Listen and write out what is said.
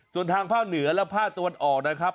ส่วนทางภาคเหนือและภาคตะวันออกนะครับ